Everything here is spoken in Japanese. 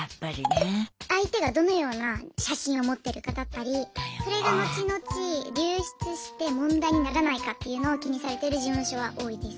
相手がどのような写真を持ってるかだったりそれが後々流出して問題にならないかっていうのを気にされてる事務所は多いです。